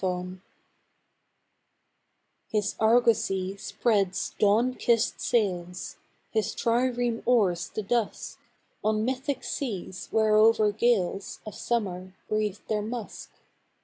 ARGONAUT His argosy spreads dawn kissed sails, His trireme oars the dusk, On mythic seas whereover gales Of summer breathe their musk.